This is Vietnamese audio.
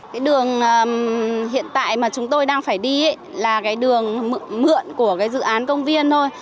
cái đường hiện tại mà chúng tôi đang phải đi là cái đường mượn của cái dự án công viên thôi